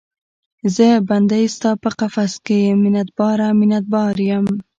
زه بندۍ ستا په قفس کې، منت باره، منت بار یم